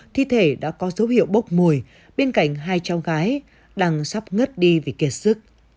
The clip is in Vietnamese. thi thể đã có dấu hiệu bốc mùi bên cạnh hai cháu gái đang sắp ngất đi vì kiệt sức